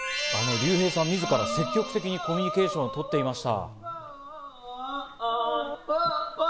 リュウヘイさん自ら積極的にコミュニケーションをとっていました。